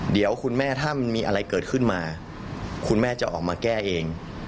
เดี๋ยวคุณแม่ถ้ามันมีอะไรเกิดขึ้นมาคุณแม่จะออกมาแก้เอง